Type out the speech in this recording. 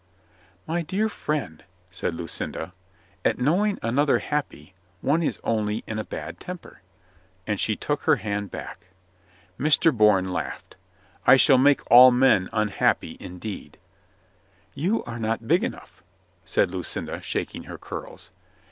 "My dear friend," said Lucinda, "at knowing an other happy, one is only in a bad temper." And she took her hand back. Mr. Bourne laughed. "I shall make all men un happy indeed." "You are not big enough," said Lucinda, shaking her curls.